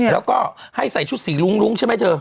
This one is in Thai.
แล้วก็ให้ใส่ชุดสีรุ้งใช่ไหมเธอ